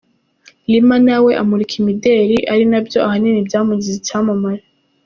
Lima na we amurika imideli, ari na byo ahanini byamugize icyampamare.